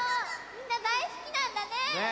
みんなだいすきなんだね！ね！